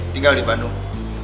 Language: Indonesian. tinggal di bandung